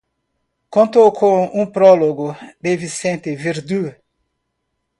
Contó con un prólogo de Vicente Verdú.